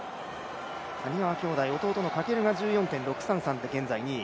谷川兄弟弟の翔が１４．６３３と現在２位。